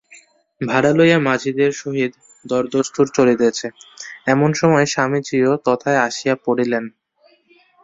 ভাড়া লইয়া মাঝিদের সহিত দরদস্তুর চলিতেছে, এমন সময় স্বামীজীও তথায় আসিয়া পড়িলেন।